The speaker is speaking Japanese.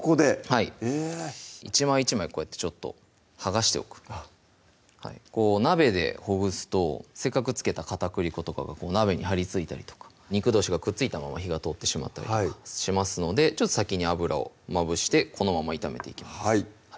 はい１枚１枚こうやってちょっと剥がしておく鍋でほぐすとせっかく付けた片栗粉とかが鍋に張り付いたりとか肉どうしがくっついたまま火が通ってしまったりとかしますので先に油をまぶしてこのまま炒めていきます